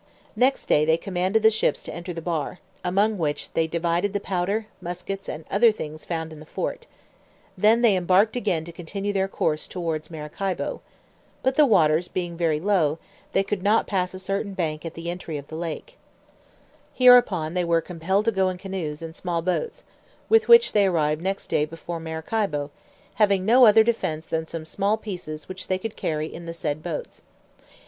Next day they commanded the ships to enter the bar, among which they divided the powder, muskets, and other things found in the fort: then they embarked again to continue their course towards Maracaibo; but the waters being very low, they could not pass a certain bank at the entry of the lake: hereupon they were compelled to go into canoes and small boats, with which they arrived next day before Maracaibo, having no other defence than some small pieces which they could carry in the said boats.